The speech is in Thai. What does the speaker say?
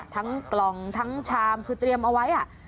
กล่องทั้งชามคือเตรียมเอาไว้